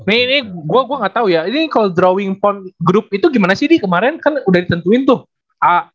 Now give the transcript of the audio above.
ini gue gue gak tau ya ini kalau drawing pon group itu gimana sih di kemarin kan udah ditentuin tuh